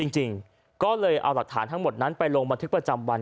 จริงก็เลยเอาหลักฐานทั้งหมดนั้นไปลงบันทึกประจำวัน